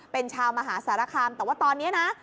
เป็นชาวมหาสารคามแต่ว่าตอนนี้นะ